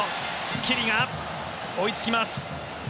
スキリが追いつきます。